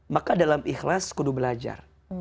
maka dalam ikhlas kudu belajar